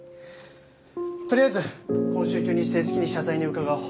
とりあえず今週中に正式に謝罪に伺おう。